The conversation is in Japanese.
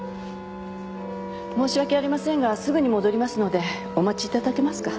申し訳ありませんがすぐに戻りますのでお待ち頂けますか？